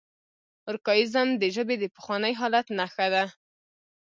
ارکائیزم د ژبې د پخواني حالت نخښه ده.